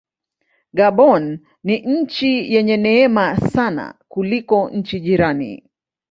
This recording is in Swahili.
Gabon ni nchi yenye neema sana kuliko nchi jirani.